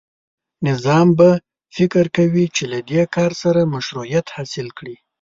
نظام به فکر کوي چې له دې کار سره مشروعیت حاصل کړي.